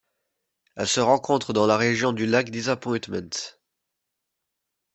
Elle se rencontre dans la région du lac Disappointment.